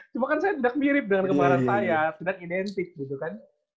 cuma kan saya tidak mirip dengan kemarahan saya sedang identik gitu kan